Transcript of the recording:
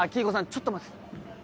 ちょっと待って。